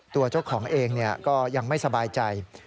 ตัวเจ้าของเองก็ยังไม่สบายใจ